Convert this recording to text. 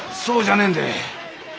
そうじゃねえんで。